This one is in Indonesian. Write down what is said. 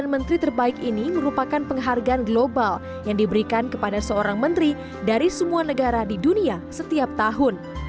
menteri terbaik ini merupakan penghargaan global yang diberikan kepada seorang menteri dari semua negara di dunia setiap tahun